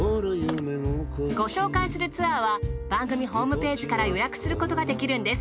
ご紹介するツアーは番組ホームページから予約することができるんです。